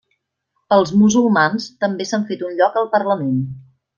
Els musulmans també s'han fet un lloc al parlament.